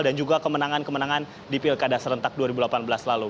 dan juga kemenangan kemenangan di pilkada serentak dua ribu delapan belas lalu